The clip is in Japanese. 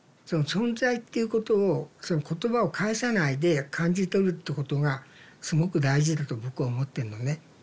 その存在っていうことをそういう言葉を介さないで感じ取るってことがすごく大事だと僕は思ってんのね。